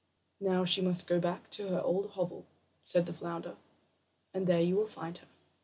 "Now she must go back to her old hovel," said the flounder; "and there you will find her."